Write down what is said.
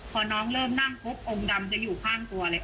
พอน้องเริ่มนั่งปุ๊บองค์ดำจะอยู่ข้างตัวเลย